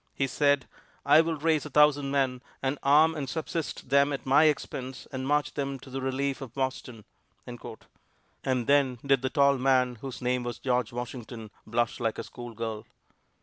He said, 'I will raise a thousand men, and arm and subsist them at my expense and march them to the relief of Boston.'" And then did the tall man, whose name was George Washington, blush like a schoolgirl.